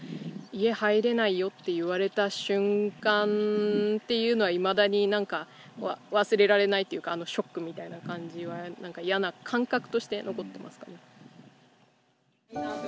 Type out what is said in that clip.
家入れないよって言われた瞬間っていうのはいまだになんか忘れられないっていうかショックみたいな感じはなんか嫌な感覚として残ってますかね。